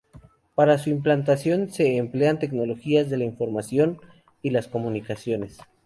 Para su implantación se emplean tecnologías de la información y las comunicaciones.